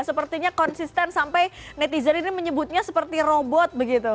sepertinya konsisten sampai netizen ini menyebutnya seperti robot begitu